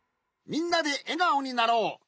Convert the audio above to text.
みんなでえがおになろう！